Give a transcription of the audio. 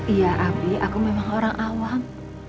iya abi aku memang orang awam